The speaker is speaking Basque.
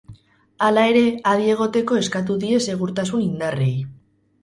Hala ere, adi egoteko eskatu die segurtasun-indarrei.